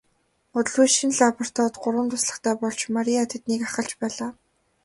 Удалгүй шинэ лабораторид гурван туслахтай болж Мария тэднийг ахалж байлаа.